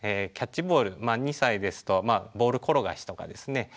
キャッチボール２歳ですとボール転がしとかですね